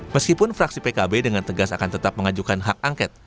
meskipun fraksi pkb dengan tegas akan tetap mengajukan hak angket